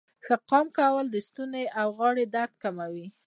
ښه قام کول د ستونې او غاړې درد کموي.